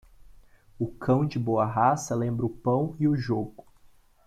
O cão de boa raça lembra o pão e o jogo.